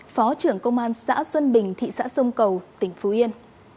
phó trưởng công an xã xuân bình thị xã sông cầu tỉnh phú yên